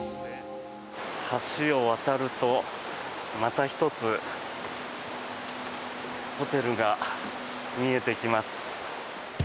橋を渡るとまた１つホテルが見えてきます。